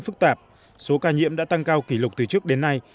phức tạp số ca nhiễm đã tăng cao kỷ lục từ trước đến nay